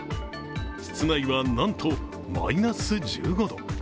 室内はなんとマイナス１５度。